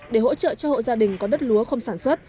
để hỗ trợ cho hộ gia đình có đất lúa không sản xuất